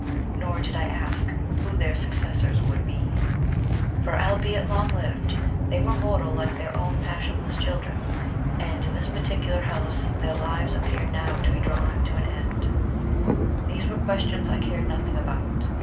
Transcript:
Nor did I ask who their successors would be: for albeit long lived, they were mortal like their own passionless children, and in this particular house their lives appeared now to be drawing to an end. These were questions I cared nothing about.